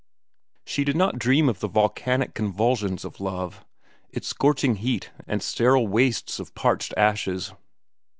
She did not dream of the volcanic convulsions of love, its scorching heat and sterile wastes of parched ashes.